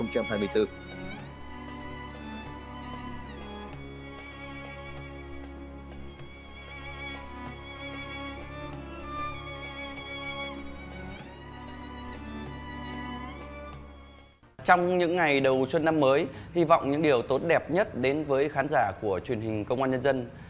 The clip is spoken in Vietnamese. trong những ngày đầu xuân năm mới hy vọng những điều tốt đẹp nhất đến với khán giả của truyền hình công an nhân dân